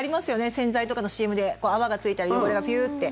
洗剤とかのＣＭで泡がついたり汚れがピューッて。